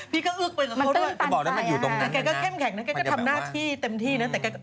พี่ก็เอื้อกไปกับเค้าแก่ก็เข้มแข็งทำหน้าที่เต็มที่